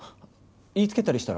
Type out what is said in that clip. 言いつけたりしたら？